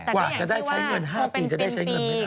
กว่าจะได้ใช้เงิน๕ปีจะได้ใช้เงินไหมล่ะ